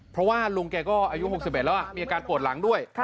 เพราะว่าลุงแกก็อายุ๖๑แล้วมีอาการปวดหลังด้วย